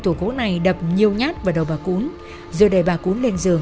đại đã dùng chân tủ gỗ này đập nhiêu nhát vào đầu bà cún rồi để bà cún lên giường